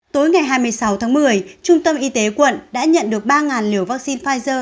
tối ngày hai mươi sáu tháng một mươi trung tâm y tế quận đã nhận được ba liều vaccine pfizer